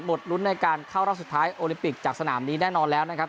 ลุ้นในการเข้ารอบสุดท้ายโอลิปิกจากสนามนี้แน่นอนแล้วนะครับ